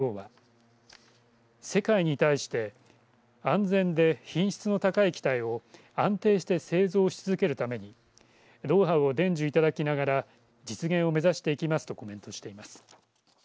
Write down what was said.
ＳｋｙＤｒｉｖｅの福澤知浩ＣＥＯは世界に対して安全で品質の高い機体を安定して製造し続けるためにノウハウを伝授いただきながら実現を目指していきますとコメントしています。